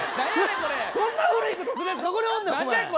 こんな古いことするやつ